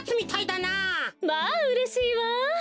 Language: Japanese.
まあうれしいわ。